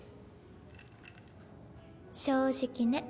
正直ね。